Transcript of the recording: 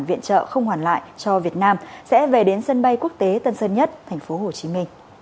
viện trợ không hoàn lại cho việt nam sẽ về đến sân bay quốc tế tân sơn nhất tp hcm